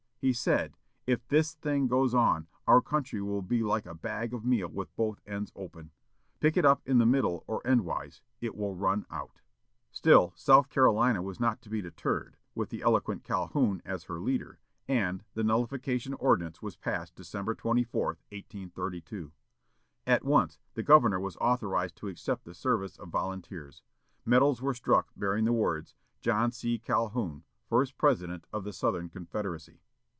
He said, "If this thing goes on, our country will be like a bag of meal with both ends open. Pick it up in the middle or endwise, it will run out." Still, South Carolina was not to be deterred, with the eloquent Calhoun as her leader, and the Nullification Ordinance was passed November 24, 1832. At once the governor was authorized to accept the service of volunteers. Medals were struck bearing the words, "John C. Calhoun, First President of the Southern Confederacy."